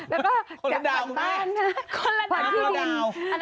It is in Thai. แล้วก็จัดผ่อนบ้านนะผ่อนที่ดิน